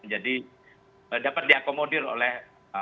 jadi dapat diakomodir oleh